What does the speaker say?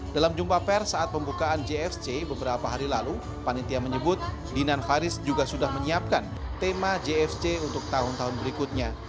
dalam jumpa pers saat pembukaan jfc beberapa hari lalu panitia menyebut dinan faris juga sudah menyiapkan tema jfc untuk tahun tahun berikutnya